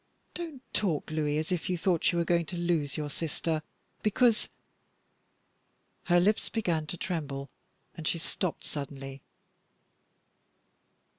"Don't talk, Louis, as if you thought you were going to lose your sister, because " Her lips began to tremble, and she stopped suddenly.